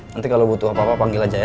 nanti kalau butuh apa apa panggil aja ya